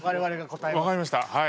分かりましたはい。